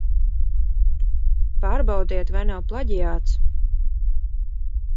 Pārbaudiet, vai nav plaģiāts.